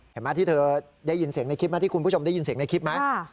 เห็นไหมที่เธอได้ยินเสียงในคลิปไหมที่คุณผู้ชมได้ยินเสียงในคลิปไหม